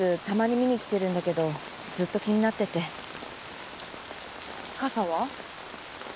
たまに見に来てるんだけどずっと気になってて傘は？